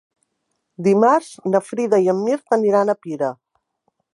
Dimarts na Frida i en Mirt aniran a Pira.